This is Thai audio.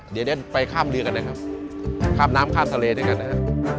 เดี๋ยวได้ไปข้ามเรือกันนะครับข้ามน้ำข้ามทะเลด้วยกันนะฮะ